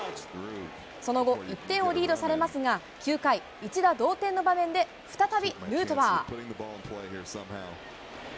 その後、１点をリードされますが、９回、一打同点の場面で再びヌートバー。